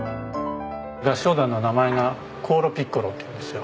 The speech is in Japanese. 合唱団の名前がコーロ・ピッコロっていうんですよ。